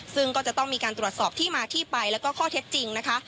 ซึ่งก็จะต้องมีการตรวจสอบที่มาที่ไปแล้วก็ข้อเท็จจริงนะคะ